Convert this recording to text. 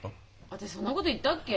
私そんなこと言ったっけ？